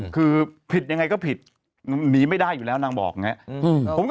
คือผิดยังไงก็ผิดหนีไม่ได้อยู่แล้วนางบอกอย่างนี้